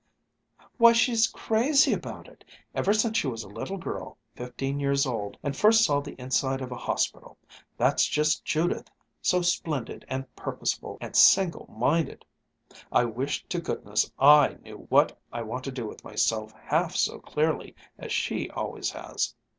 "Why, she's crazy about it, ever since she was a little girl, fifteen years old and first saw the inside of a hospital. That's just Judith, so splendid and purposeful, and single minded. I wish to goodness I knew what I want to do with myself half so clearly as she always has."